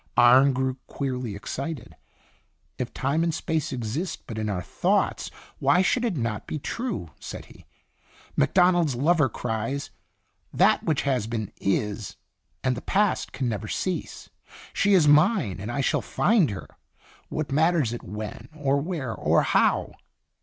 Arne grew queerly excited. " If Time and Space exist but in our thoughts, why should it not be true?" said he. " Macdonald's lover cries, * That which has been is, and the Past can never cease. She is mine, and I shall find her what matters it when, or where, or how?'"